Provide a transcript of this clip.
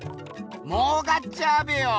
もうかっちゃうべよ。